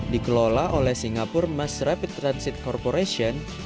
dikelola oleh singapura mass rapid transit corporation